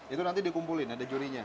itu nanti dikumpulin ada jurinya